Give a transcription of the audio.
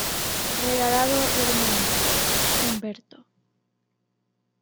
Regalado Hernández, Humberto.